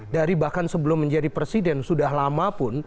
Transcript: dari bahkan sebelum menjadi presiden sudah lama pun